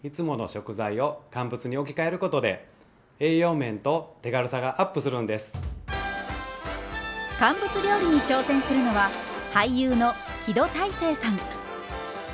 肉や魚など乾物料理に挑戦するのは俳優の木戸大聖さん。